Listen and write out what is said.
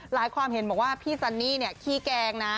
ความเห็นบอกว่าพี่ซันนี่เนี่ยขี้แกงนะ